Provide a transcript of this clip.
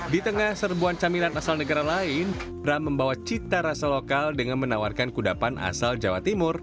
di tengah serbuan camilan asal negara lain bram membawa cita rasa lokal dengan menawarkan kudapan asal jawa timur